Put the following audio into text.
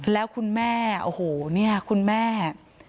แล้วคุณแม่โอ้โหเนี่ยคุณแม่